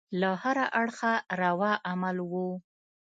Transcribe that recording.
له هره اړخه روا عمل وو.